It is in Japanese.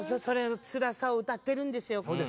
それのつらさを歌ってるんですよ。